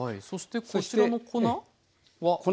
そしてこちらの粉は。